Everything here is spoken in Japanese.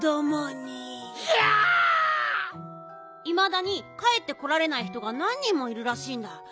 いまだにかえってこられない人がなん人もいるらしいんだ。